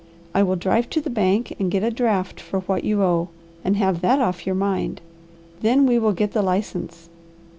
I will drive to the bank and get a draft for what you owe, and have that off your mind. Then we will get the license.